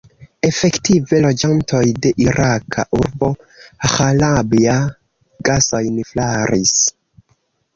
Efektive, loĝantoj de iraka urbo Ĥalabja gasojn flaris.